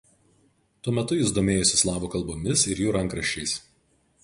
Tuo metu jis domėjosi slavų kalbomis ir jų rankraščiais.